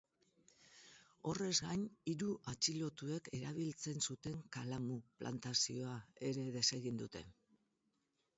Horrez gain, hiru atxilotuek erabiltzen zuten kalamu plantazioa ere desegin dute.